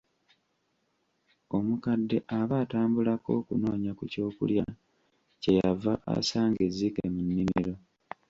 Omukadde aba atambulako okunoonya ku kyokulya, kye yava asanga ezzike mu nnimiro.